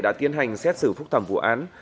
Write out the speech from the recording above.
đã tiến hành xét xử phúc thẩm vụ án